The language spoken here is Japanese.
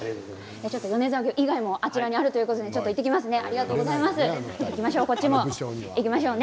米沢牛以外もあるということで行ってきますね。